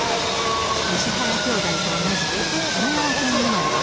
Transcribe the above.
石原兄弟と同じく、神奈川県生まれ。